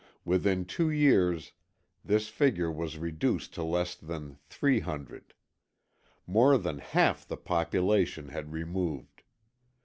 Within two years this figure was reduced to less than three hundred. More than half the population had removed.